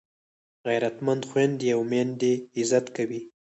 غیرتمند خویندي او میندې عزت کوي